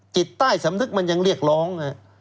จิตใต้สำนึกมันยังเรียกร้อง